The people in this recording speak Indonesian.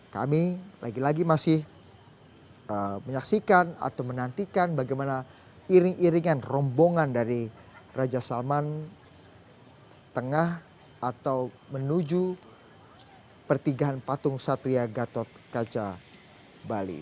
kami lagi lagi masih menyaksikan atau menantikan bagaimana iring iringan rombongan dari raja salman tengah atau menuju pertigahan patung satria gatot kaca bali